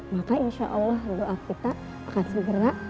maka insya allah doa kita akan segera